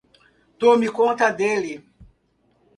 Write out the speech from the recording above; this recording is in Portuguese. Tome conta dele.